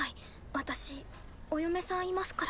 私お嫁さんいますから。